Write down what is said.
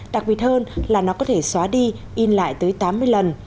đặc biệt hơn là nó có thể xóa đi in lại tới tám mươi lần